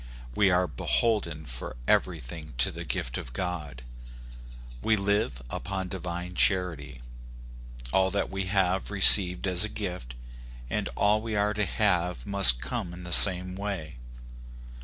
We are beholden for everything to the gift of God. We live upon divine charity. All that we have we have received as a gift, and all we are to have must come in the same way.